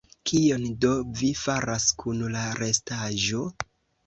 Kion do vi faras kun la restaĵo?